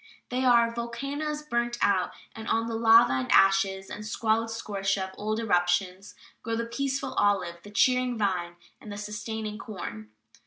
They are "volcanoes burnt out, and on the lava and ashes and squalid scoria of old eruptions grow the peaceful olive, the cheering vine, and the sustaining corn."